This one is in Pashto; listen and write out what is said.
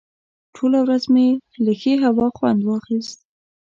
ټوله ورځ مې له ښې هوا خوند واخیست.